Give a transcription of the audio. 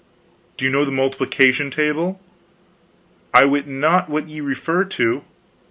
"Do you know the multiplication table?" "I wit not what ye refer to."